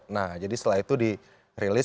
nah jadi setelah itu dirilis